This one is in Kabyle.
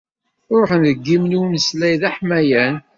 Ruḥen deg yiwen umeslay d aḥmayan.